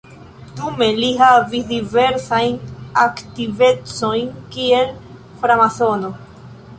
Dume li havis diversajn aktivecojn kiel framasono.